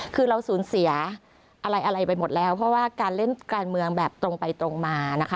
คือเราสูญเสียอะไรไปหมดแล้วเพราะว่าการเล่นการเมืองแบบตรงไปตรงมานะคะ